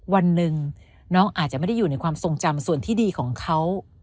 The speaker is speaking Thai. วันหนึ่งน้องอาจจะไม่ได้อยู่ในความทรงจำส่วนที่ดีของเขา